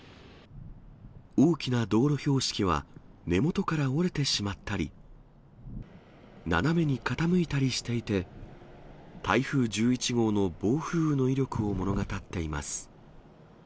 大きな道路標識は、根元から折れてしまったり、斜めに傾いたりしていて、台風１１号の暴風雨の威力を物語っています。